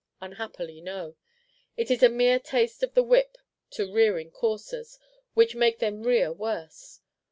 Unhappily, no; it is a mere taste of the whip to rearing coursers, which makes them rear worse!